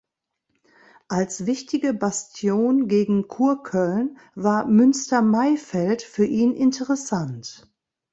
Als wichtige Bastion gegen Kurköln war Münstermaifeld für ihn interessant.